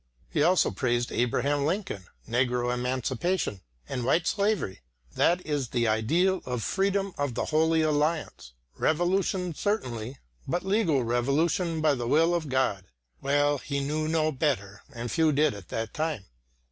He also praised Abraham Lincoln; negro emancipation and white slavery that is the ideal of freedom of the Holy Alliance! Revolution certainly, but legal revolution by the will of God! Well, he knew no better, and few did at that time.